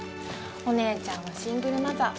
お姉ちゃんはシングルマザー